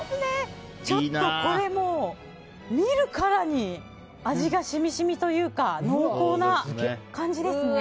ちょっとこれもう見るからに味が染み染みというか濃厚な感じですね。